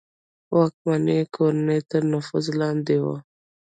واکمنې کورنۍ تر نفوذ لاندې وه.